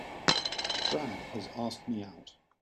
Brad has asked me out.